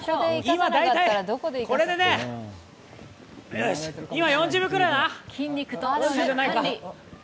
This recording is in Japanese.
今、大体、これで今４０秒くらいかな。